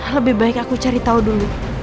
lebih baik aku cari tahu dulu